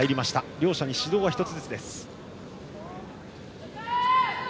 両者に指導が１つずつです。